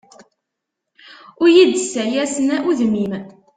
Ur d iyi-ssayasen udem-im.